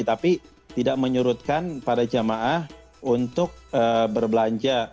tapi tidak menyurutkan para jamaah untuk berbelanja